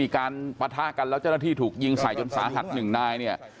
การปะทะกันแล้วเจ้าหน้าที่ถูกยิงใส่จนสาหัสหนึ่งนายเนี่ย